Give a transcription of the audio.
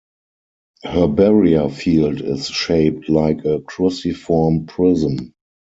Her barrier field is shaped like a cruciform prism.